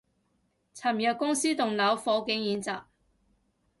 尋日公司棟樓火警演習